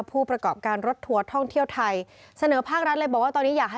ผู้ประกอบการรถทัวร์ท่องเที่ยวไทย